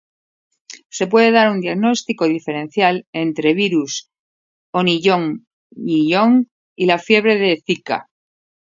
Se puede dar un diagnóstico diferencial entre virus o’nyong’nyong y la fiebre de Zika.